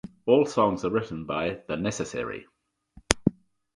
All songs are written by The Necessary.